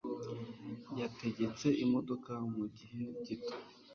Yategetse imodoka mu gihe gito.